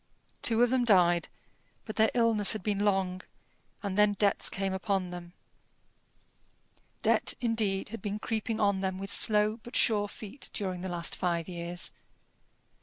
Two of them died, but their illness had been long; and then debts came upon them. Debt, indeed, had been creeping on them with slow but sure feet during the last five years.